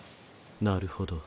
なるほど。